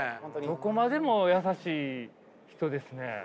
どこまでも優しい人ですね。